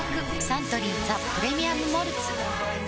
サントリー「ザ・プレミアム・モルツ」